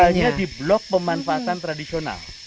hanya di blok pemanfaatan tradisional